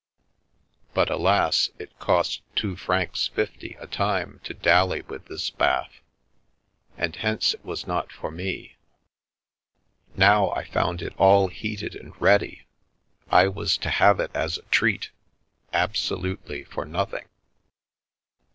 But, alas, it cost two francs fifty a time to dally with this bath, and hence it was not for me. Now I found it all heated and ready — I was to have it as a treat, absolutely for nothing!